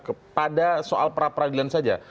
kepada soal peradilan saja